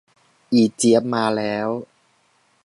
อีเจี๊ยบมาแล้ว